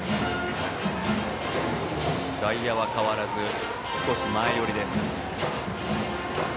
外野は変わらず少し前寄りです。